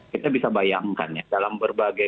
kita bisa bayangkan ya dalam berbagai